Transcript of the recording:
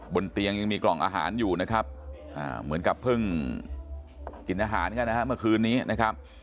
บนเตียงยังมีกล่องอาหารอยู่นะครับเหมือนกับเพิ่งกินอาหารกันนะฮะเมื่อคืนนี้นะครับ